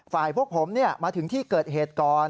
พวกผมมาถึงที่เกิดเหตุก่อน